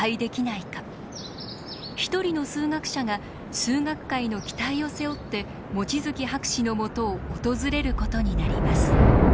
一人の数学者が数学界の期待を背負って望月博士のもとを訪れることになります。